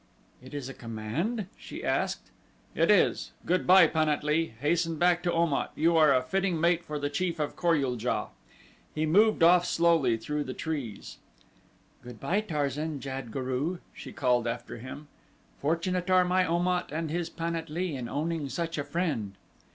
"It is a command?" she asked. "It is! Good bye, Pan at lee. Hasten back to Om at you are a fitting mate for the chief of Kor ul JA." He moved off slowly through the trees. "Good bye, Tarzan jad guru!" she called after him. "Fortunate are my Om at and his Pan at lee in owning such a friend."